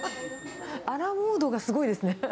アラモードがすごいですね。